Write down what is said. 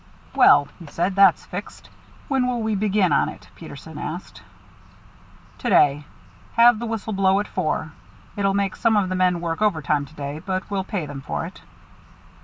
"Well," he said, "that's fixed." "When will we begin on it?" Peterson asked. "To day. Have the whistle blow at four. It'll make some of the men work overtime to day, but we'll pay them for it."